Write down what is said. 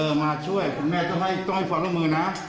เออมาช่วยคุณแม่ต้องให้ฝากละมือนะ